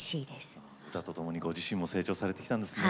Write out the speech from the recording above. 歌とともにご自身も成長されてきたんですね。